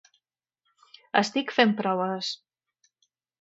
Estic fent proves